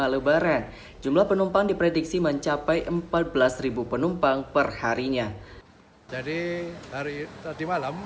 lebaran jumlah penumpang diprediksi mencapai empat belas penumpang perharinya jadi hari tadi malam